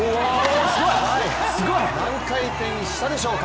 何回転したでしょうか？